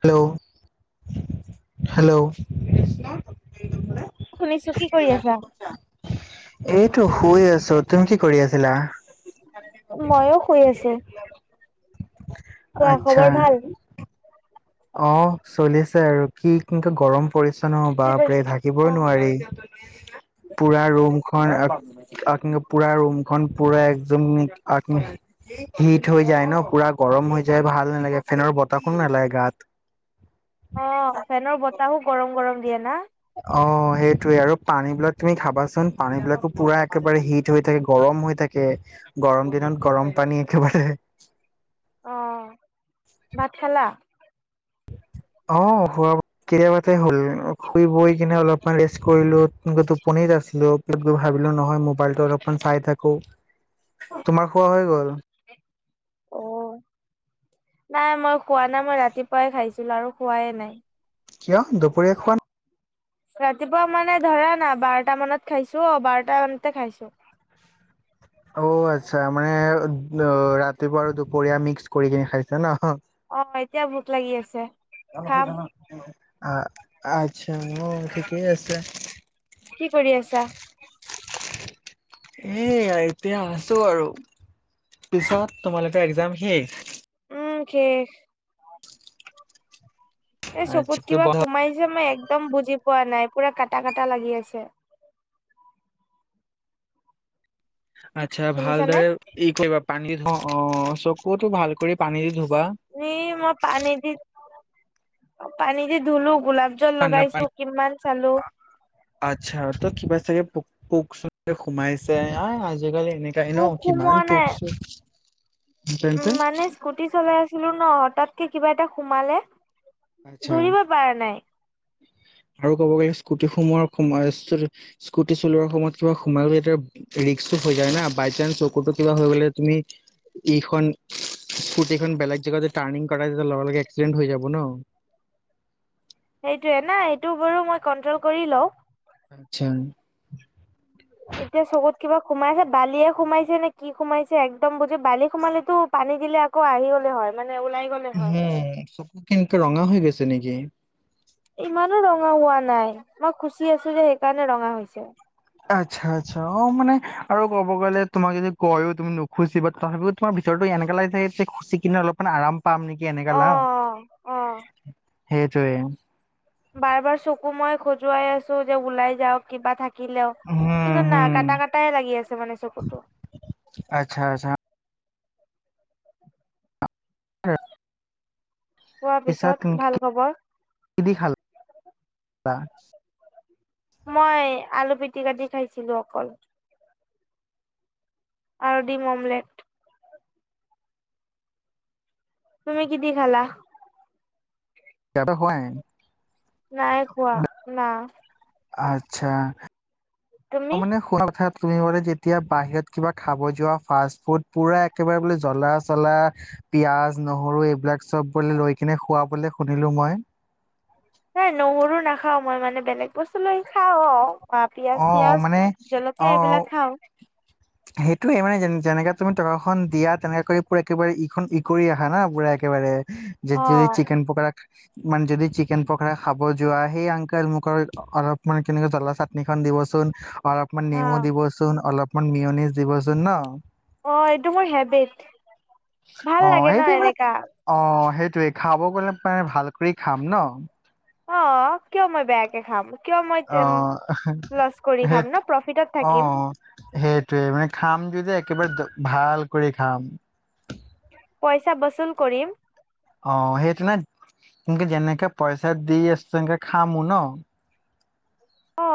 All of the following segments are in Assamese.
হেল্ল' হেল্ল' শুনিছো কি কৰি আছা এইটো শুই আছো তুমি কি কৰি আছিলা মইও শুই আছো। কোৱা আচ্ছা। খবৰ ভাল? অ চলি আছে আৰু কি কেনেকে গৰম। পৰিচ্ছন্ন হ বা কি কৰিছ প্ৰে থাকিবই অ নোৱাৰি। পুৰা ৰুম হয় আ পুৰা ৰুম খন পুৰা একদম হিট হৈ যায় ন পুৰা গৰম হৈ যায় ভাল নালাগে ফেনৰ বতাহ খ নালাগে গাত অ ফেনৰ বত তাহো গৰম গৰম দিয়ে না অ সেইটোৱে আৰু পানী বিলাক তুমি খাবাচোন পানী বিলাকো পুৰা একেবাৰে হিট হৈ থাকে গৰম হৈ থাকে গৰম দিনত গৰম পানী একেবাৰে অ ভাত খালা অ খোৱা কতিয়াবাতে হ'ল অ শুই বৈ কিনে অলপ মান ৰেষ্ট কৰিলো টোপনিত আছিলো কি ভাবিলো নহয় মোবাইলটো অলপমান চাই থাকো তোমাৰ খোৱা হৈ গল অ নাই মই খোৱা না মই ৰাতিপুৱাই খাইছো জোলাৰো খোৱাইে নাই কিয় দুপৰীয়া খোৱা নাই ৰাতিপুৱা মানে ধৰা না বাৰটা মানত খাইছো অ বাৰটা মানতে খাইছো অ আচ্ছা মানে অ ৰাতিপুৱা আৰু দুপৰীয়া মিক্স কৰি কিনে খাইছে ন অ এতিয়া ভোক লাগি আছে খাম অ আচ্ছা অ ঠিকেই আছে কি কৰি আছা? এয়া এতিয়া আছো আৰু পিছত তোমালোকৰ একজাম শেষ। উম কেষ এ চকুত আচ্ছা কিবা বন্ধ। সোমাইছে মই এক একদম বুজি পোৱা নাই পুৰা কটা কটা লাগি আছে আচ্ছা শুনিছানে? ভালদৰে এই কৰি বাপ পানী ধ অ চকুতো ভাল কৰি পানী ধূ নি মই পানী দি পানী দি ধলো গোলাপ জল ঠাণ্ডা পানী লগাইছো কিমান চালো আচ্ছা তই কিবা চাগে পোক পোক চ সোমাইছে আজিকালি। তেনেকাই ন মোক কিমান সোমোৱা নাই পখছো উম মানে স্কুটি চলাই আছিলো ন তাতকে কিবা এটা সোমালে আচ্ছা ধৰিব পৰা নাই আৰু কব গৈ স্কুটি সোমোৱাৰ সময় স্কুটি চলোৱাৰ সময়ত কিবা সোমাইলে তেতিয়া ৰিক্কটো হৈ যায় না বাই চান্স চকতো কিবা হৈ গলে তুমি ইখন স্কুটিখন বেলেগ জেগাতে টাৰ্ণিং কৰা তেতিয়া লগৰ লগে এক্সিডেণ্ট হৈ যাব ন সেইটোয়ে ন এইেইটো বো মই কন্ট্ৰল কৰি লও আচ্ছা এতিয়া চকুত কিবা সোমাইছে বালিয়ে সোমাইছে নে কি সোমাইছে এক্দম বুজি বালি সোমালেতো পানী দিলে আকৌ আহি হলে হয় মানে ওলাই গ'লে উম হয় চকু কেনেকে ৰঙা হৈ গৈছে নেকি যে ইমানো ৰঙা হোৱা নাই মই খুচি আছো যে সেইকাৰণে ৰঙা হৈছে আচ্ছা আচ্ছা অঁ মানে আৰু ক'ব গ'লে তোমাক যদি কয়ও তুমি নুখুচি বা তথাপিও তোমাৰ ভিতৰতো এনেকুৱা লাগি থাকে যে খুচি কিনে অলপমান আৰাম পাম নেকি এনেকা অ লাও অ অ'। সেই যে বাৰ বাৰ চকু মই খজুৱাই আছো যে ওলাই যাওক কিবা থাক থাকিলেও উম কিন্তু না হম কাটা কটাইে লাগি আছে মানে চকুতটো। আচ্ছা আচ্ছা হম পোৱা পিছত ভাল খবৰ লা মই আলু পিটিকা দি খাইছিলো অকল আৰু ডিম অমলেট তুমি কি দি খালা যতে হয় নাই খোৱা না [unintelligible] ত তুমি মানে খোৱাৰ তুমি বোলে যেতিয়া বাহিৰত কিবা খাব যোৱা ফাষ্ট ফুড পুৰা একেবাৰে বোলে জ্বলা চলা পিয়াজ নহৰু এইবিলাক চব বোলে লৈ কিনে খুৱাবলে শুনিলো মই। নাই নহৰু নাখাওঁ মই মানে বেলেগ বস্তু লৈ খাওঁ। অঁ অ পিয়াজ চিয়াজ মানে জলকীয়া অ এইবিলাক খাওঁ। সেইটোয়ে মানে যে যেনেকাে তুমি টকা খন দিয়া তেনেক পুৰা একেবাৰে ইখন ই কৰি আহা ন পুৰা একেবাৰে। যে অ যদি চিকেন পকৰা মানে যদি চিকেন পখৰা খাব যোৱা সেই আংক মোকৰ অলপ মান কেনেক জলা চাটনিখন দিবচোন। অঁ অপমান অ নেমু দিবচোন অলপ। আৰু মিয়নিছ দিৱ ন অঁ এইটো মোৰ হেবিট। ভাল অ লাগে ন সেইটো মানে এনেকা অ সেই য়ে খাব গ'লে মানে ভাল কৰি খাম ন। অ কিয় মই বেয়াকে খাম। কিয় অ মই লছ কৰি সেই খাম ন প্ৰফিটত অ থাকিম সেইটোৱে মানে খাম যদি। একেবাৰে ভাল কৰি খাম। পইচা বচুল কৰিম। অ সেইটো নেকে যেনেকে পইচা দি আছ তেনেকে খামো ন। অ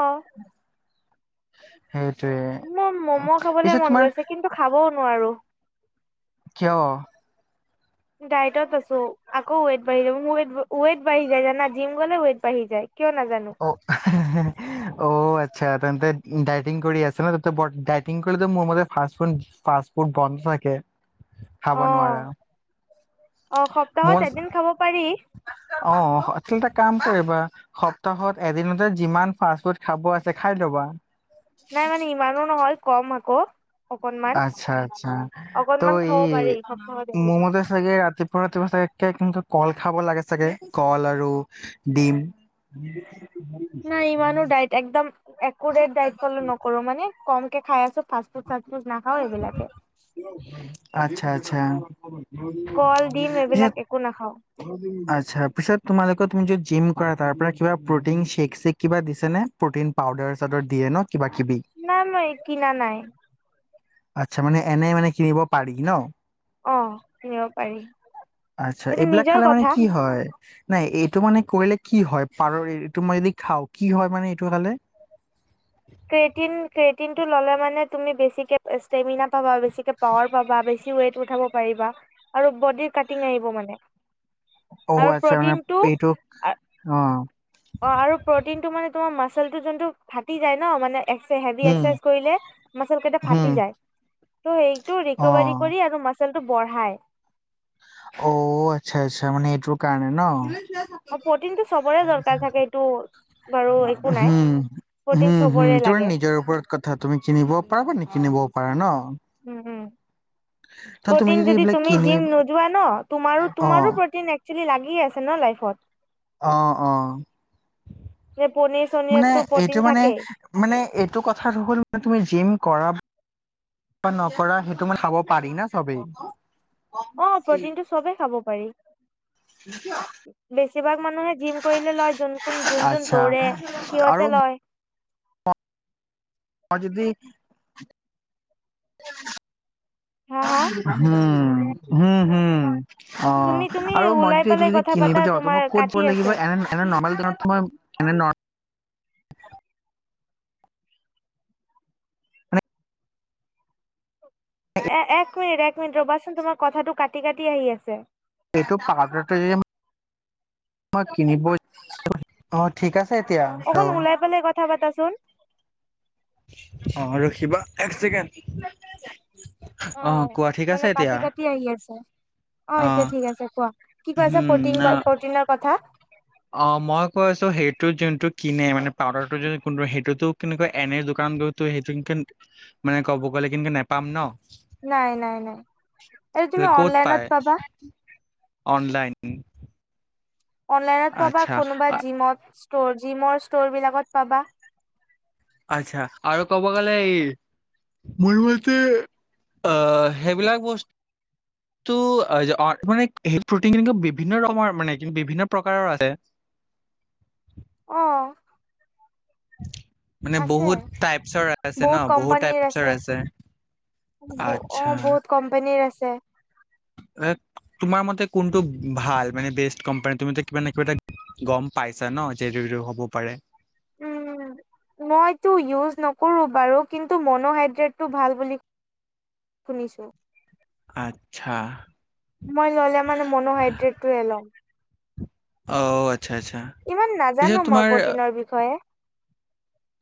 সেইটোৱে মোৰ উম, মম' পিছে খাবলে মন তোমাৰ গৈছে কিন্তু খাবও নোৱাৰো। [unintelligible] কিয় ডাইটত আছো আকৌ ওৱেট বাঢ়ি যাব ৱ বাঢ়ি য জিম গলে ওৱেট বাঢ়ি যায়। কিয় নাজানো অ অ আচ্ছা তেন্তে ডাইটিং কৰি আছ ন ত ড ইটিং কৰিলে মোৰ মতে ফাচ ফুড ফাচ ফুড বন্ধ থাকে। খাব অ নোৱাৰা অ সপ্তাহত মোৰ এদিন খাব পাৰি। অ আচলতে কাম কৰিবা সপ্তাহত এদিনতে যিমান ফাষ্ট ফুড খাব আছে খাই লবা নাই মানে ইমানো নহল কম আকৌ অকনমান আচ্ছা আচ্ছা ত' অকনমান এই খাব পাৰি সপ্তাহত এদিন মোৰ মতে চাগে ৰাতিপুৱা ৰাতিপুৱা চাগে কেঁচা কল খাব লাগে চাগে কল আৰু ডিম নাই ইমানো ডাইট একদম একুৰেট ডাইট ফল' নকৰো মানে কমকে খাই আছো ফাষ্টফুড চাষ্টফুড না খাও এইবিলাকে। আচ্ছা আচ্ছা কল ডিম এইবিলাক একো নাখাও আচ্ছা পিছত তোমালোকৰ তুমি যদি জিম কৰা তাৰ পৰা কিবা প্ৰ'টিন শ্বেক শ্বেক কিবা দিছে নে প্ৰ'টিন পাউডাৰ চাউদাৰ দিয়ে ন কিবা কিবি? নাই মই কিনা নাই আচ্ছা মানে এনে মানে কিনিব পাৰি ন অ কিনিব পাৰি আচ্ছা সেইটো এইবিলাক নিজৰ খালে মানে কথা কি হয় নাই এইটো মান কৰিলে কি হয় পাৰৰ এইটো মই যদি খাওঁ কি হয় মানে এইটো খালে কেৰেতিন, কেৰেতিনটো ললে মানে তুমি বেছিকে ইচতাৰমিনা পবা, বেছিকে পাৱাৰ পাবা, বেছি ওৱেট উঠাব পাৰিবা আৰু বডিৰ কাৰটিঙ আহিব মানে অ আৰু আচ্ছা মানে প্ৰটিনটো এইটো অ। অ আৰু প্ৰটিনটো মানে তোমাৰ মা চলটো জোনটো ফাটি যায় ন মানে হেবি উম, একচাইছ কৰিলে মাচ কেইটা হুম, ফাটি যায় টো সেইটো ৰিকভাৰি অ'। কৰি আৰু মাছ ওজনটো বঢ়াই অ আচ্ছা আচ্ছা মানে এইটোৰ কাৰণে ন আৰু প্ৰটিনটো চবৰে দৰকাৰ থাকে এইটো বাৰু একো নাই হোম প্ৰটিন হোম হোম চবৰে তুমি লাগে নিজৰ ওপৰত কথা তুমি কিনিব পাৰা নে কিনিব পাৰে ন উম উম ত' তুমি প্ৰটিন যদি এইবিলাক তুমি কিনি জিম নোযোৱা ন তোমাৰো অ তোমাৰো প্ৰটিন এক যদি লাগি আছে ন লাইফত অ অ যে পনিৰ মানে চনিৰতটো প্ৰটিন এইটো মানে থাকেই মানে এইটো কথা হ'ল তুমি জিম। কৰা বা নকৰা সেইটো মানে খাব পাৰি ন চবেই। অ প্ৰটিনটো চবে খাব পাৰি। বেছিভাগ মানুহে জিম কৰিলে লয় যোন কোন যোন যোন আচ্ছা দৌৰে আৰু সিহঁতে লয়। আৰু যদি হা হা হুম। হুম হুম। তুমি অ' তুমি আৰু মই ওলাই যদি এইটো পেলাই যদি কথা কিনিব পাতা যাওঁ ত' তোমাৰ মই ক'ত ব কাটি লাগিব আছে এনে - এনে নৰ্মেল দোকানত মই এনে নৰ্ম [inaudible] এ - এক মিনিট এক মিনিট ৰ'বাচোন তোমাৰ কথাটো কাটি কাটি আহি আছে। এইটো [unintelligible] মই কিনিব [unintelligible] অ' ঠিক আছ অকন ওলাই পেলাই কথা পাতাচোন। অ' ৰখিবা। এক চেকেণ্ড। অ' মানে কাটি কাটি আহি আছে। অ' এতিয়া ঠিক আছে কোৱা। কি কৈ আছা হম ফৰ্তিন অ ক প্ৰটিনৰ কথা। অ' মই কৈ আছো সেইটো যোনটো কিনে মানে পাউদাৰটো যুণ্ কোনটো সেইটোতো কেনেকুৱা এনে দোকান গইটো সেইটোনকুন মানে ক'ব গ'লে কিন্তু নেপাম ন। নাই নাই নাই, এইটো তুমি ক'ত অনলাইনত পায় পাবা। অনলাইন। অনলাইনত পাবা আচ্ছা কোনোবা আ- জিমত। ষ্ট'ৰ জিমৰ ষ্ট'ৰ বিলাকত পাবা। আচ্ছা আৰু কব গলে এই মোৰো ইয়াতে অ সেইবিলাক বস্তুটো [unintelligible] মানে হেৰি প্ৰ'টিন কিন্তু বিভিন্ন ৰকমৰ মানে কি বিভিন্ন প্ৰকাৰৰ আছে। অ'। মানে আছে বহুত টাইপছৰ আছে ন বহুত টাইপছৰ আছে। আচ্ছা। তে। এ তোমাৰ মতে কোনটো ভাল মানে বেষ্ট কোম্পানী, তুমি তো কিবা নহয় কিবা এটা গম পাইছা ন [unintelligible] হব পাৰে। উম। মইতো ইউজ নকৰো বাৰু কিন্তু মন'হাইড্ৰেটটো ভাল বুলি শুনিছো। আচ্ছা। মই ল'লে মানে মন'হাইড্ৰেটটোহে লম। অ' আত ইমান নাজানো মই প্ৰটিনৰ বিষয়ে।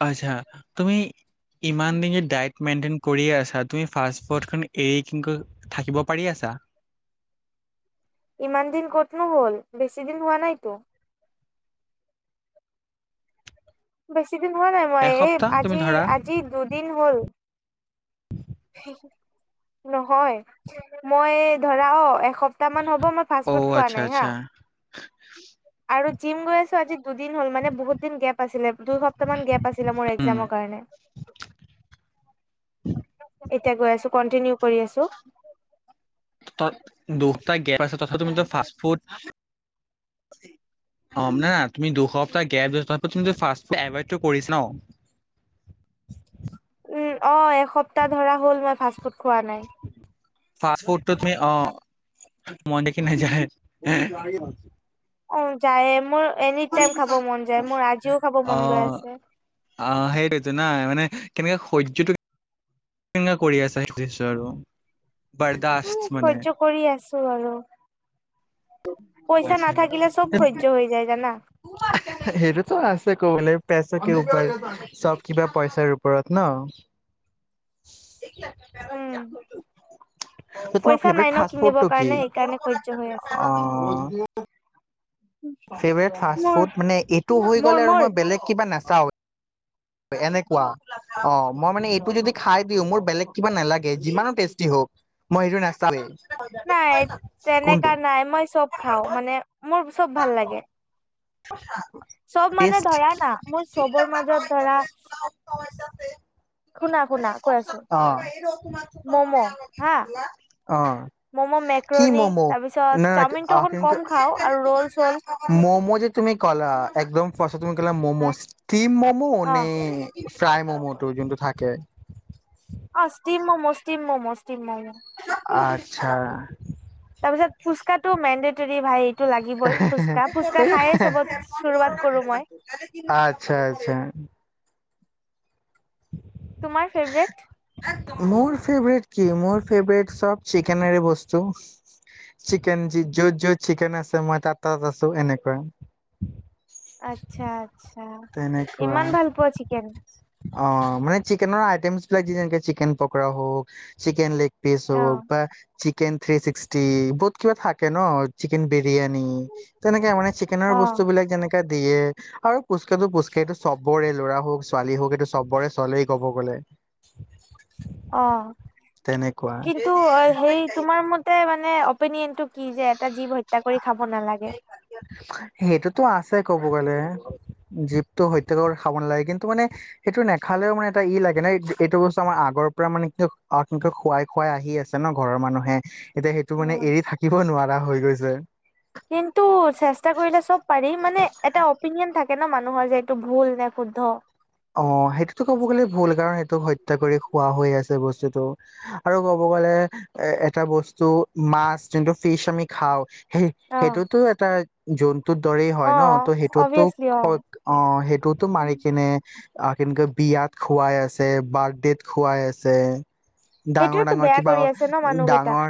আচ্ছা তুমি ইমান [unintelligible] ডাইট‌ মেইটেইন কৰিয়ে আছা তুমি ফাষ্টফৰ্ডখন এৰি [unintelligible] থাকিব পাৰি আছা? ইমান দিন কতনো হ'ল বেছি দিন হোৱা নাইতো। বেছ ছিদিন হোৱা নাই মই এই এসপ্তাহ তুমি আজি ধৰা - আজি দুদিন হ'ল। নহয় মই ধৰা অ' সপ্তাহ মান হ'ব মই ফাষ্ট অ ফুড খোৱা আচ্ছা নাই হা আচ্ছা আৰু‌ জিম গৈ আছো আজি দুদিন হ'ল মানে বহুত দিন গেপ আছিলে দুই সপ্তাহ মান গেপ আছিলে মোৰ উম এক্সামৰ কাৰণে। এতিয়া গৈ আছো কন্টিনিউ কৰি আছো দুসপ্তাহ গছম ফ ফুড অ ন তুমি দুসপ্তাহ গেপ দিছাপ তুম ফুড এভডটো কৰিছা ন। অ এসপ্তাহ ধৰা হ'ল মই ফাষ্ট ফুড খোৱা নাই ফ ফুডটো অ তুমি অ মই দেখি নাযায় অ যায় মোৰ এনি টাইম খাব মন যায় মোৰ আজিও খাব অ মন গৈ আছে। অ সেইটোতো না মানে কেনেকে সহ্যটো কৰি আছেজিছো আৰু বাৰদশ মান বাৰু পইচা আচ্ছা। নাথাকিলে চব হৈৰ্য হৈ যায় জানা সেইটোতো আছে কবলৈ পেচা কি উপায় চব কিবা পইচাৰ ওপৰত ন উম তোমাৰ পইচা ফেভৰেট নাই ন ফাষ্ট ফুডটো কিনিবৰ কি কাৰণে সেইকাৰণে শৈয্য হৈ আছে। অ ফেভট ফাচ মোৰ ফুড মানে এইটো হৈ মোৰ গ'লে আৰু মোৰ মই বেলেগ কিবা না চাও এনেকুৱা অ মই মানে এইটো যদি খাই দিওঁ মোৰ বেলেগ কিবা নালাগে যিমানো টেষ্টি হওক মই সেইটো নাচাও এ। নাই তেনেকা নাই মই চব খাও মানে মোৰ চব ভাল লাগে [unintelligible] চব মানে টেষ্ট ধৰা না মোৰ চবৰ মাজত ধৰা শুনা শুনা কৈ আছো মম' হা মম' মেক্ৰণী তাৰপিছত চাওমিনটো অ কম খাওঁ আৰু ৰ'ল চল যে তুমি কলা একদম ফচত তুমি কলা হা ম'ম' ষ্টিম ম'মো অ নে ফ্ৰাই ম'মো টো যোনটো থাকে অঁ ষ্টিম ম মোচ অঁ ষ্টিম ম মোচ তিম ছা তাৰপিছত ফুচকাত টো মেডেটৰী ভাই লাগিবই ফুচকা ফুচকা খায়ে চবত চুৰুৱাত কৰো মই আচ্ছা আচ্ছা তোমাৰ ফেভৰেট মোৰ ফেবেৰেট কি মোৰ ফেভট চব চিকেন বস্তু চিকেন য'ত য'ত চিকেন আছে মই তাতত আছো এনেকুৱাই আচ্ছা আচ্ছা ইমান ভাল পোৱা চিকেন অঁ মানে চিকেনৰ আইটেমছ বিলাক য যেনেকে চিকেন পকৰা হওক চিকেন লেগ পছ অ বা চিকেন থ্ৰী ছিক্সটি বহুত কিবা থাকে ন চিকেন বেছ বিৰিয়ানী তেনেকে মানে চিকেনৰ অ বস্তু বিলাক যেনেকাে দিয়ে আৰু ফুচকা পফুচকা টো চবৰে ল'ৰা হওক ছোৱালী হওক এইটো চবৰে চলেই ক'ব গ'লে অঁ তেনেকুৱা কিন্তু হেৰি তোমাৰ মতে মানে অপিনিয়ন টো কি যে এটা জীৱ হত্যা কৰি খাব নালাগে সেইটোতো আছে কব গ'লে জীপটো সত্যাক খাব নালাগে কিন্তু মানে সেইটো নেখালেও মানে এটা ই লাগে ন এইটো বস্তু আমাৰ আগৰ পৰা মানে কি অে খুৱাই খুৱাই আহি আছে ন ঘৰৰ মানুহে এতিয়া সেইটো মানে উম। এৰি থাকিব নোৱাৰা হৈ গৈছে যে কিন্তু চেষ্টা কৰিলে চব পাৰি মানে এটা অপিনিয়ন থাক কনো মানুহৰ যে এইটো ভুল নে শুদ্ধ অঁ সেইটোতো ক'ব গ'লে ভুল কাৰণ সেইটো হয় কৰি খোৱা হৈ আছে বস্তুটো আৰু ক'ব গ'লে এ টা বস্তু মাছ যোনটো ফিচ আমি খাওঁ সেই অ', সেইটোতো এটা জন ত দৰেই অ হয় ন ত' সেইটোতো অভিয়াচলি অ', অঁ সেইটোতো মাৰি কিনে আহ কেনেকে বিয়াত খোৱাই আছে বাৰ্থডেত খোৱাই আছে ডাঙৰ সেইটোয়েতো ডাঙৰ বেয়া কিবা কৰি আছে ন ডাঙৰ মানুহকেইটা